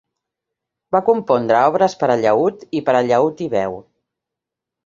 Va compondre obres per a llaüt i per a llaüt i veu.